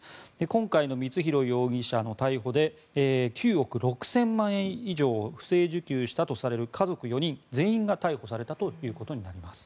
今回の光弘容疑者の逮捕で９億６０００万円以上を不正受給したとする家族４人全員が逮捕されたということになります。